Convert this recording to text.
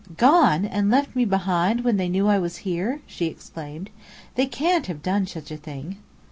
"Gone! And left me behind when they knew I was here?" she exclaimed. "They can't have done such a thing."